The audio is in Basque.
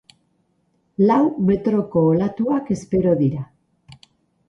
Lau metroko olatuak espero dira.